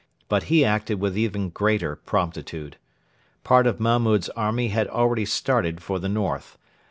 But he acted with even greater promptitude. Part of Mahmud's army had already started for the north.